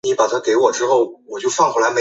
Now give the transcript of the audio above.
尚无台商前往立陶宛投资或经营。